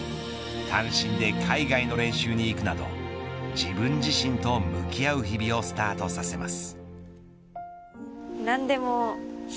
単身で海外の練習に行くなど自分自身と向き合う日々をスタートさせます。